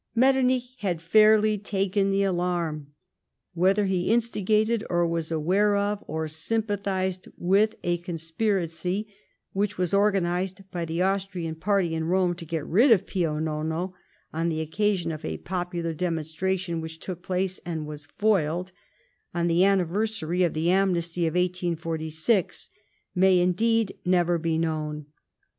* Metternich had fairly taken the alarm. Whether he instigated, or was aware of, or sympathised with, a con spiracy which was organised by the Austrian party in Rome to get rid of Pio Nono on the occasion of a popular demonstration which took place, and was foiled, on the anniversary of the amnesty of 1846, may, indeed, never be known.